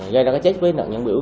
gây ra cái chết với nạn nhân biểu